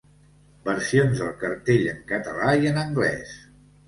Versions del cartell en català i en anglès.